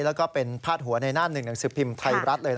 และเป็นพาดหัวในหน้านหนึ่งหนังสือปริมไทยรัส